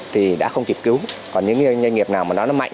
thì đã không kịp cứu còn những doanh nghiệp nào mà nói nó mạnh